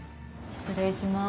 失礼します。